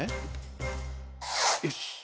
よし！